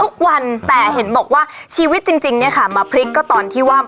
ทุกวันแต่เห็นบอกว่าชีวิตจริงเนี่ยค่ะมาพลิกก็ตอนที่ว่า